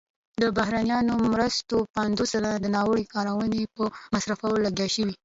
د بهرنیو مرستو پنځوس سلنه د ناوړه کارونې په مصارفو لګول شوي.